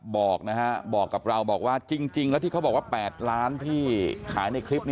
บอกนะฮะบอกกับเราบอกว่าจริงแล้วที่เขาบอกว่า๘ล้านที่ขายในคลิป